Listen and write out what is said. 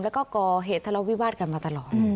แล้วก็ก่อเหตุทะเลาวิวาสกันมาตลอด